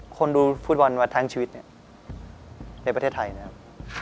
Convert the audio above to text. คนดูฟุตบอลมาทั้งชีวิตเนี่ยในประเทศไทยนะครับ